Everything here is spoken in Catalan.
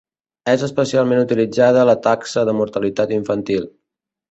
És especialment utilitzada la Taxa de mortalitat infantil.